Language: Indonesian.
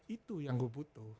itu yang gue butuh